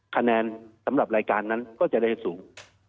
คะแนนสำหรับรายการนั้นก็จะได้สูง